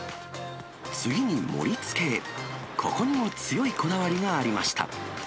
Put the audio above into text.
次に盛りつけへ、ここにも強いこだわりがありました。